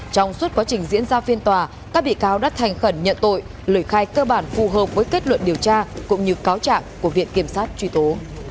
trong suốt quá trình diễn ra phiên tòa các bị cáo đã thành khẩn nhận tội lời khai cơ bản phù hợp với kết luận điều tra cũng như cáo trạng của viện kiểm sát truy tố